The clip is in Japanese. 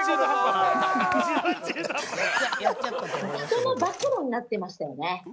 人の暴露になってましたよね。